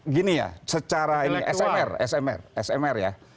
gini ya secara ini smr ya